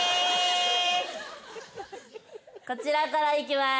こちらからいきます。